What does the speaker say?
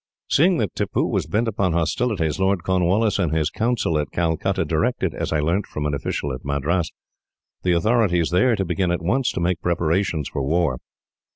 "Seeing that Tippoo was bent upon hostilities, Lord Cornwallis and his council at Calcutta directed, as I learnt from an official at Madras, the authorities there to begin at once to make preparations for war.